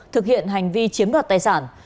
thực hiện hành vi chiếm đoạt tài sản